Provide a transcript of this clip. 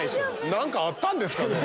何かあったんですか？